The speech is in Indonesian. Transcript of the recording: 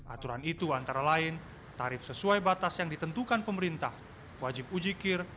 aturan itu antara lain tarif sesuai batas yang ditentukan pemerintah wajib ujikir